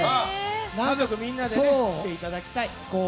家族みんなで来ていただきたい。